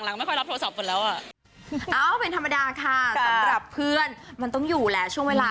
หลังไม่ค่อยรับโทรศัพท์มาแล้วอะ